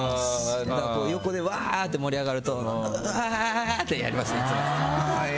横でわーって盛り上がるとわーってやりますね、いつも。